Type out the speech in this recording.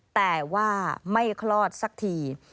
แต่ว่าไม่คลอดสักที